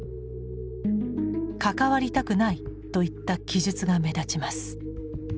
「関わりたくない」といった記述が目立ちます。